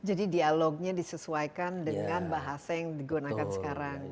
jadi dialognya disesuaikan dengan bahasa yang digunakan sekarang